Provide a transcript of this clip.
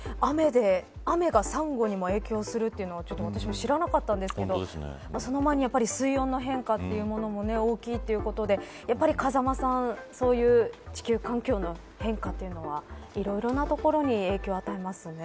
雨がサンゴにも影響するというのは私もちょっと知らなかったんですけどその前に、水温の変化というものも大きいということでやっぱり風間さん、そういう地球環境の変化というのはいろいろな所に影響を与えますね。